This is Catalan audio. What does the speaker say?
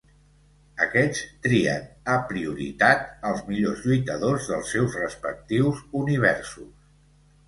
Aquests trien, a prioritat, als millors lluitadors dels seus respectius Universos.